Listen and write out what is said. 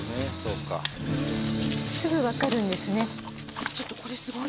すぐわかるんですね。